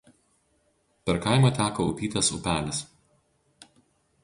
Per kaimą teka Upytės upelis.